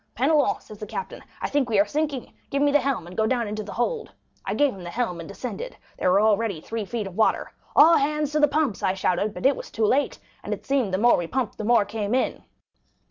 'Penelon,' said the captain, 'I think we are sinking, give me the helm, and go down into the hold.' I gave him the helm, and descended; there was already three feet of water. 'All hands to the pumps!' I shouted; but it was too late, and it seemed the more we pumped the more came in.